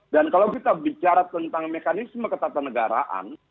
dan kalau kita bicara tentang mekanisme ketatanegaraan